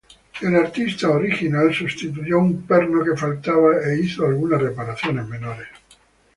El artista original sustituyó un perno que faltaba, e hizo algunas reparaciones menores.